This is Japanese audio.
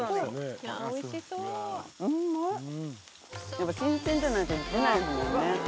やっぱ新鮮じゃないとできないですもんね